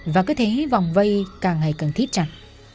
và cứ thế vòng vây càng ngày càng thiết chặt